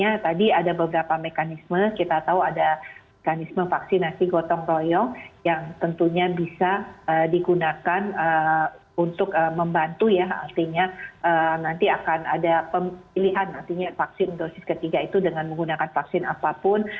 jadi tadi ada beberapa mekanisme kita tahu ada mekanisme vaksinasi gotong royong yang tentunya bisa digunakan untuk membantu ya artinya nanti akan ada pemilihan artinya vaksin dosis ketiga itu dengan menggunakan vaksin apapun